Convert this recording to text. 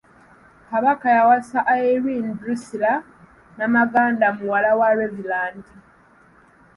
Kabaka yawasa Irene Drusilla Namaganda, muwala wa Reverand.